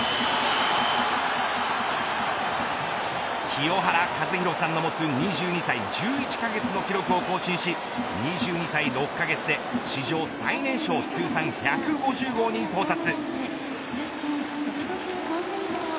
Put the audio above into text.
清原和博さんの持つ２２歳１１カ月の記録を更新し２２歳６カ月で史上最年少通算１５０号に到達。